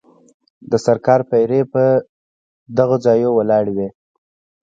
د سرکار پیرې به په دغو ځایونو ولاړې وې.